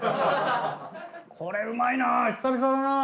これうまいな久々だなぁ！